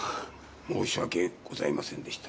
申し訳ございませんでした。